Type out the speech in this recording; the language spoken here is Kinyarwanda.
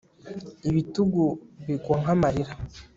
ibitugu bigwa nkamarira